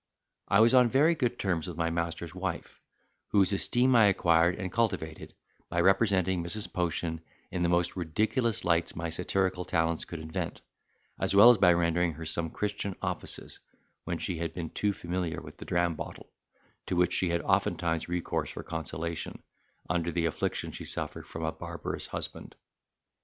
I was on very good terms with my master's wife, whose esteem I acquired and cultivated, by representing Mrs. Potion in the most ridiculous lights my satirical talents could invent, as well as by rendering her some Christian offices, when she had been too familiar with the dram bottle, to which she had oftentimes recourse for consolation, under the affliction she suffered from a barbarous husband.